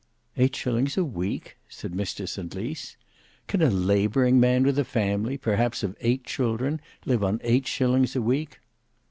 "Eight shillings a week!" said Mr St Lys. "Can a labouring man with a family, perhaps of eight children, live on eight shillings a week!"